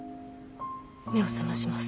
目を覚まします。